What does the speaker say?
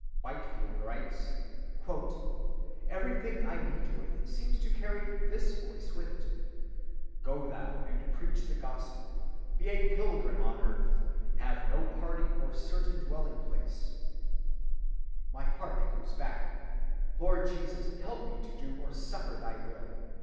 "Everything I meet with," writes Whitefield, "seems to carry this voice with it,—'Go thou and preach the Gospel; be a pilgrim on earth; have no party or certain dwelling place.' My heart echoes back, 'Lord Jesus, help me to do or suffer thy will.